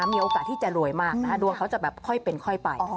มีโอกาสที่จะรวยมากดวงเขาจะแบบค่อยเป็นค่อยไป